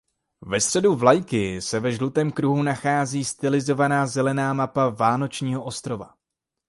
Ve středu vlajky se ve žlutém kruhu nachází stylizovaná zelená mapa Vánočního ostrova.